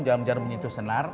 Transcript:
jarum jarum menyentuh senar